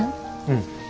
うん。